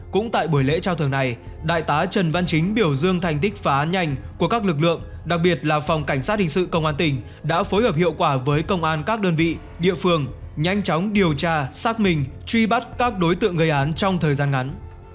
cũng tại buổi lễ trao thường này đại tá trần văn chính biểu dương thành tích phá nhanh của các lực lượng đặc biệt là phòng cảnh sát hình sự công an tỉnh đã phối hợp hiệu quả với công an các đơn vị địa phương nhanh chóng điều tra xác minh truy bắt các đối tượng gây án trong thời gian ngắn